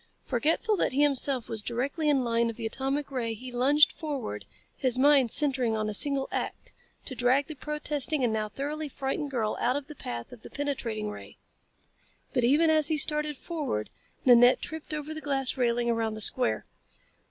Forgetful that he himself was directly in line of the atomic ray he lunged forward, his mind centering on a single act to drag the protesting and now thoroughly frightened girl out of the path of the penetrating ray. But even as he started forward Nanette tripped over the glass railing around the square.